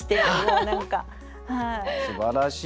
すばらしい。